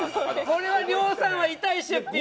これは亮さんは痛い出費。